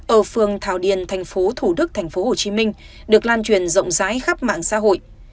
ở phường thảo điền tp thủ đức tp hcm được lan truyền rộng rãi khắp mạng xã hội